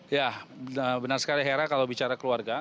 ya benar sekali hera kalau bicara keluarga